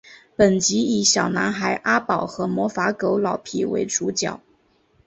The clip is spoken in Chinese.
本集以小男孩阿宝和魔法狗老皮为主角。